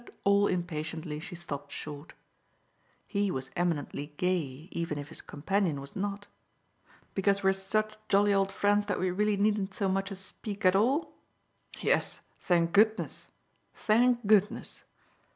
But all impatiently she stopped short. He was eminently gay even if his companion was not. "Because we're such jolly old friends that we really needn't so much as speak at all? Yes, thank goodness thank goodness."